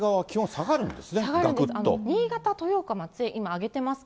下がるんです。